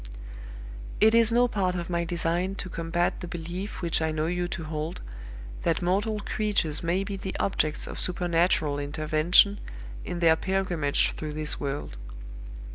"It is no part of my design to combat the belief which I know you to hold, that mortal creatures may be the objects of supernatural intervention in their pilgrimage through this world.